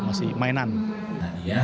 jadi ini bukan permainan